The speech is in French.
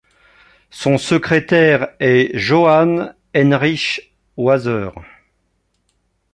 Son secrétaire est Johann Heinrich Waser.